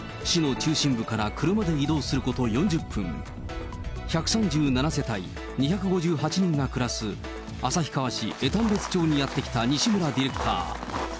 市の中心部から車で移動すること４０分、１３７世帯２５８人が暮らす、旭川市江丹別町にやって来た西村ディレクター。